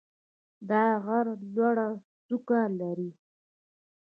دا غر لوړه څوکه لري.